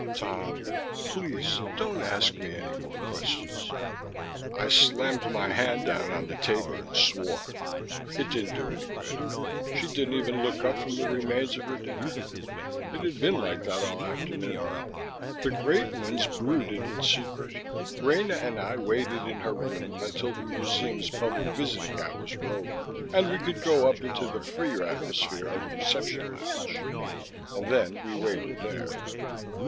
"Tom, please don't ask me any more questions." I slammed my hand down on the table and swore. It didn't do any good. She didn't even look up from the remains of her dinner. It had been like that all afternoon. The Great Ones brooded in secret. Rena and I waited in her room, until the museum's public visiting hours were over and we could go up into the freer atmosphere of the reception lounge. And then we waited there.